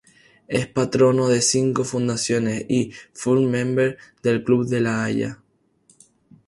Es Patrono de cinco Fundaciones y Full Member del Club de la Haya.